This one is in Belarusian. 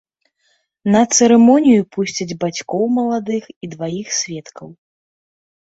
На цырымонію пусцяць бацькоў маладых і дваіх сведкаў.